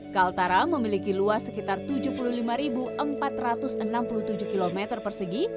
kaltara memiliki luas sekitar tujuh puluh lima empat ratus enam puluh tujuh km persegi